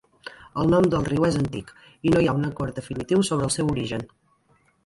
El nom del riu és antic i no hi ha un acord definitiu sobre el seu origen.